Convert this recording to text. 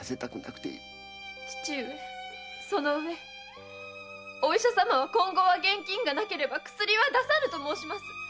父上そのうえお医者様は今後は現金がなければ薬は出さぬと申します！